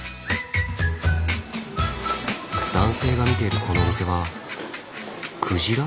男性が見てるこのお店はくじら？